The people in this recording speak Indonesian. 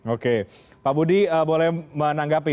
oke pak budi boleh menanggapi